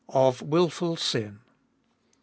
OF WILFUL SIN.